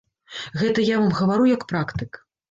Гэта я вам гавару як практык.